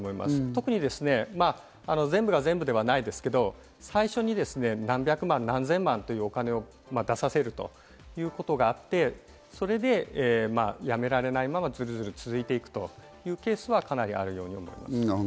特に全部が全部ではないですけど、最初に何百万、何千万というお金を出させるということがあって、それでやめられないまま、ずるずる続いていくというケースがかなりあるように思います。